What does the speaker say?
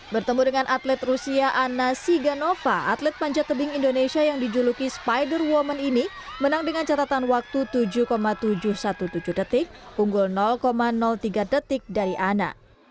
bertemu dengan atlet rusia ana siganova atlet panjat tebing indonesia yang dijuluki spider woman ini menang dengan catatan waktu tujuh tujuh belas detik unggul tiga detik dari ana